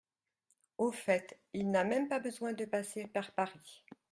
Au fait il n'a pas même besoin de passer par Paris.